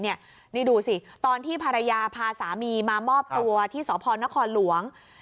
นี่ดูสิตอนที่ภรรยาพาสามีมามอบตัวที่สพนครหลวง